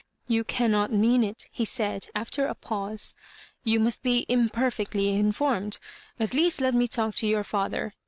" You cannot mean it," he said^ after a x>ause. "You must be imperfectly informed. At least let me talk to your father.